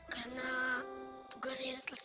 karena tugas saya selesai